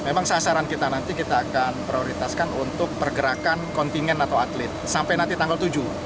memang sasaran kita nanti kita akan prioritaskan untuk pergerakan kontingen atau atlet sampai nanti tanggal tujuh